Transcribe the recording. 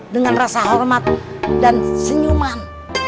dengan rasa hormat dan senyuman